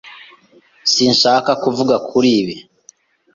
Sinshaka kuvuga kuri ibi.